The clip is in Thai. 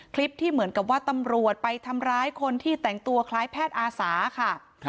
คลิปที่เหมือนกับว่าตำรวจไปทำร้ายคนที่แต่งตัวคล้ายแพทย์อาสาค่ะ